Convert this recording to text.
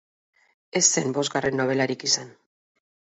Ez zen bosgarren nobelarik izan.